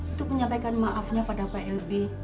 untuk menyampaikan maafnya pada pak lb